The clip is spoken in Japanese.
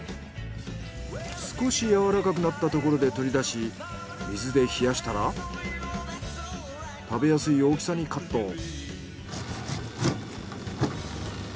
少しやわらかくなったところで取り出し水で冷やしたら食べやすい大きさにカット。